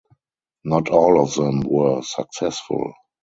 Not all of them were successful.